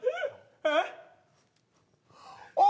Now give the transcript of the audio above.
えっ？